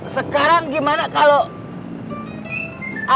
sekarang gimana kalau